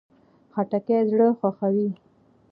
خټکی زړه خوښوي.